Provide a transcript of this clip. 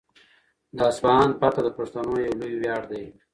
د اصفهان فتحه د پښتنو یو لوی ویاړ دی.